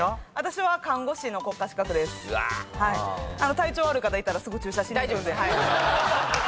体調悪い方いたらすぐ注射しに行くんで。